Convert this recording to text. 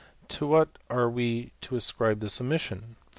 To what Eire we to ascribe this omission?